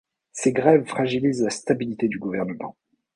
Ces grèves fragilisent la stabilité du gouvernement.